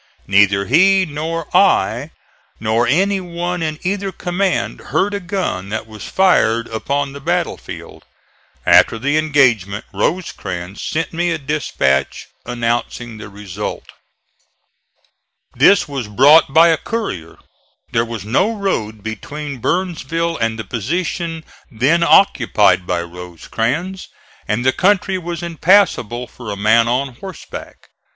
Neither he nor I nor any one in either command heard a gun that was fired upon the battle field. After the engagement Rosecrans sent me a dispatch announcing the result. This was brought by a courier. There was no road between Burnsville and the position then occupied by Rosecrans and the country was impassable for a man on horseback.